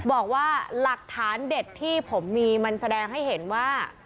บอกว่าหลักฐานเด็ดที่ผมมีมันแสดงให้เห็นว่า